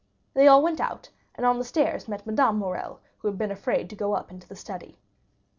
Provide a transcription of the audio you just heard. They all went out, and on the stairs met Madame Morrel, who had been afraid to go up into the study.